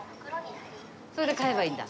それで買えばいいんだ。